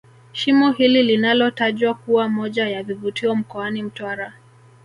Shimo hili linalotajwa kuwa moja ya vivutio mkoani Mtwara